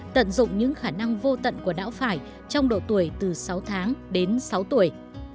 tận dụng những khả năng vô tận của não phải trong độ tuổi từ sáu tháng đến sáu tuổi